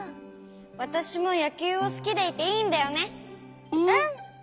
わたしもやきゅうをすきでいていいんだよね。